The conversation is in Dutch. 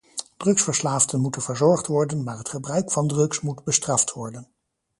Drugsverslaafden moeten verzorgd worden, maar het gebruik van drugs moet bestraft worden.